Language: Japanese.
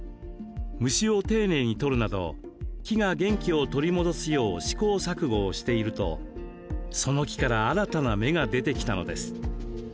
虫を丁寧に取るなど木が元気を取り戻すよう試行錯誤をしているとその木から新たな芽が出てきたのです。